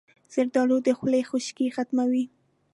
زردالو د خولې خشکي ختموي.